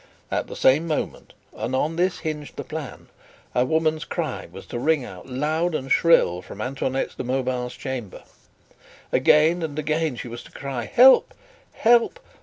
At the same moment and on this hinged the plan a woman's cry was to ring out loud and shrill from Antoinette de Mauban's chamber. Again and again she was to cry: "Help, help!